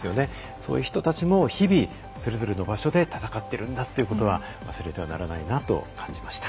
そういう人たちも日々それぞれの場所で戦っているんだということは忘れてはならないなと感じました。